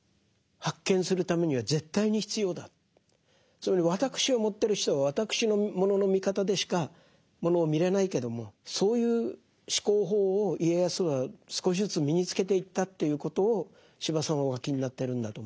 そういうふうに私を持ってる人は私のものの見方でしかものを見れないけどもそういう思考法を家康は少しずつ身につけていったということを司馬さんはお書きになってるんだと思います。